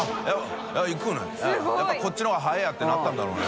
いやっぱこっちの方が早いやってなったんだろうね。